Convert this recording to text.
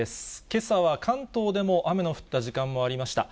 けさは関東でも雨の降った時間もありました。